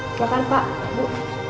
silahkan pak bu